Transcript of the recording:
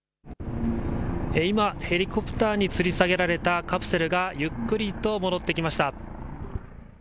今、ヘリコプターにつり下げられたカプセルがゆっくりと戻ってきました。